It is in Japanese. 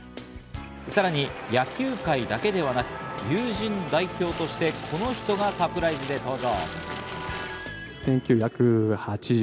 さらに野球界だけではなく友人代表として、この人がサプライズで登場。